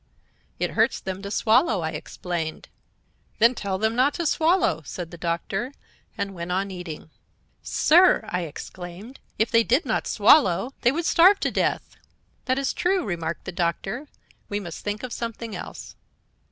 "'It hurts them to swallow,' I explained. "'Then tell them not to swallow,' said the Doctor, and went on eating. "'Sir!' I exclaimed, 'if they did not swallow, they would starve to death.' "'That is true,' remarked the Doctor; 'we must think of something else.'